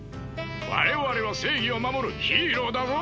我々は正義を守るヒーローだぞ！